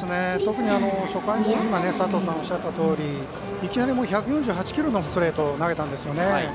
特に初回のボールが佐藤さんがおっしゃったようにいきなり１４８キロのストレート投げたんですよね。